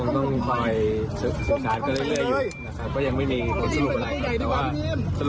ยังไม่ได้มีแผนต่อ